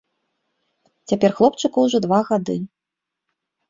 Цяпер хлопчыку ўжо два гады.